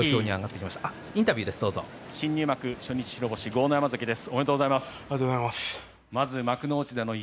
新入幕初日白星豪ノ山関です。